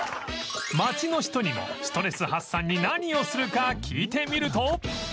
街の人にもストレス発散に何をするか聞いてみると